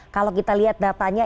kalau kita lihat datanya